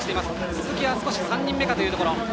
鈴木は３人目かというところ。